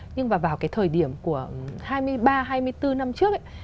nhưng mà vào cái thời điểm của hai mươi ba hai mươi bốn năm trước ấy